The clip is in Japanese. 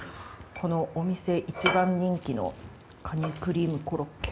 このお店一番人気のカニクリームコロッケ。